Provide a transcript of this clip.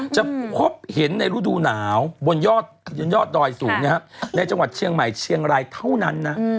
จะพบเห็นในฤดูหนาวบนยอดดอยสูงในจังหวัดเชียงใหม่เชียงรายเท่านั้นนะ